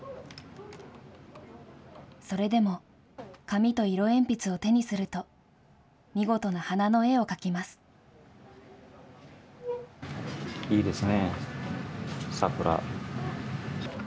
それでも紙と色鉛筆を手にすると、見事な花の絵を描きます。